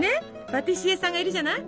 パティシエさんがいるじゃない？